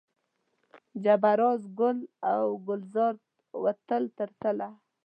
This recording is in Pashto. جبه زار، ګل و ګلزار و تل تر تله